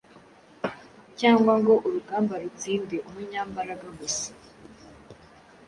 cyangwa ngo urugamba rutsinde umunyambaraga gusa.